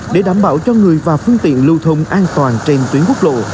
để đảm bảo cho người và phương tiện lưu thông an toàn trên tuyến quốc lộ